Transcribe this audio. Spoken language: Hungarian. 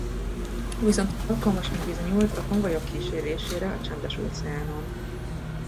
Viszont alkalmasnak bizonyult a konvojok kísérésére a Csendes-óceánon.